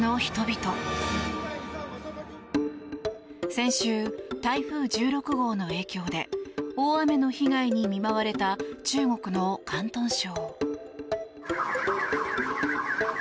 先週、台風１６号の影響で大雨の被害に見舞われた中国の広東省。